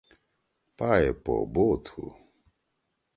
پائے پو بو تُھو۔